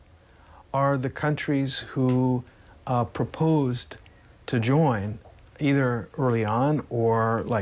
คือที่สามารถติดตามกันกันยกช่วงนี้หรือในเมืองใบนี้